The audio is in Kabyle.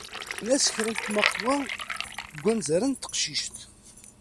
Surgen-as kra n tmeqwa deg wanzaren n teqcict.